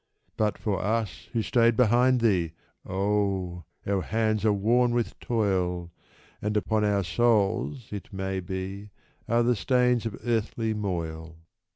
But for us who stayed behind thee — oh ! our hands are worn with toil, And upon our souls, it may be, are the stains of earthly moil.